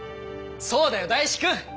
そうだよ大志くん。